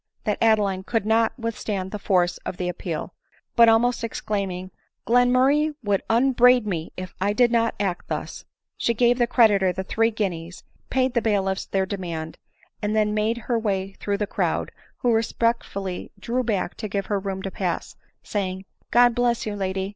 that Adeline could not with stand the force of the appeal ; but almost exclaiming, " Glenmurray would upbraid me if I did not act thus," she gave the creditor the three guineas, paid the baihfis their demand, and then made her way through the crowd, who respectfully drew back to give her room to pass, saying, " God bless you, lady